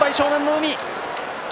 海。